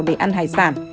để ăn hải sản